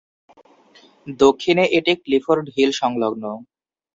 দক্ষিণে, এটি Clifford hill সংলগ্ন।